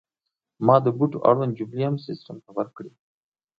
ما د بوټو اړوند جملې هم سیستم ته ورکړې.